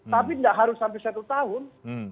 tapi tidak harus sampai satu tahun